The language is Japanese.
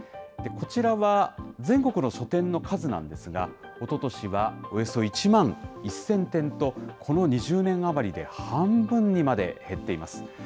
こちらは全国の書店の数なんですが、おととしはおよそ１万１０００店と、この２０年余りで半分にまで減っています。